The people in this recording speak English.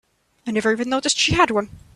I never even noticed she had one.